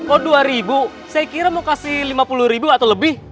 oh dua ribu saya kira mau kasih lima puluh ribu atau lebih